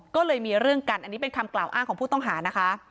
ก็เลยมีเรื่องกันอันนี้เป็นคำกล่าวอ้างของผู้ต้องหานะคะ